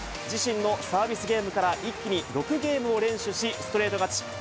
自身のサービスゲームから一気に６ゲームを先取し、ストレート勝ち。